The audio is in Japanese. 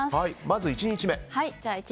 まず１日目。